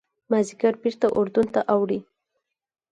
مازیګر بېرته اردن ته اوړي.